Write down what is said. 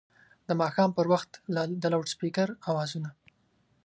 د ماښام پر وخت د لوډسپیکر اوازونه